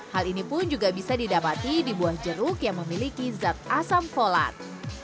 hal ini pun juga bisa didapati di buah jeruk yang memiliki zat asam folat